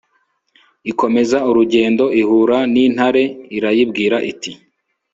ikomeza urugendo ihura n'intare, irayibwira iti